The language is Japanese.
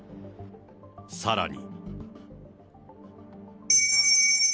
さらに。